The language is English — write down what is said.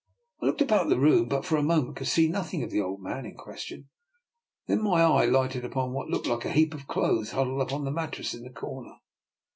'' I looked about the room, but for a mo ment could see nothing of the old man in question. Then my eye lighted on what looked like a heap of clothes huddled up on a mattress in the corner.